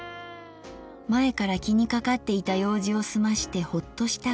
前から気にかかっていた用事をすましてホッとした